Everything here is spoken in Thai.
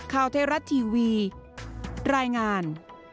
ข่าวเทราะห์ทีวีรายงาน